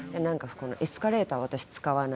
エスカレーターは私使わない。